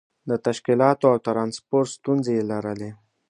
د تشکیلاتو او ترانسپورت ستونزې یې لرلې.